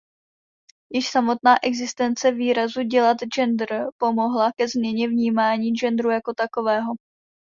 Již samotná existence výrazu "dělat gender" pomohla ke změně vnímání genderu jako takového.